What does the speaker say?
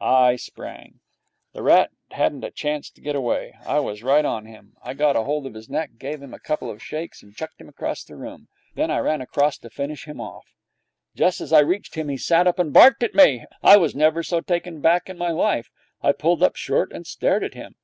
I sprang. The rat hadn't a chance to get away. I was right on to him. I got hold of his neck, gave him a couple of shakes, and chucked him across the room. Then I ran across to finish him off. Just as I reached him, he sat up and barked at me. I was never so taken aback in my life. I pulled up short and stared at him.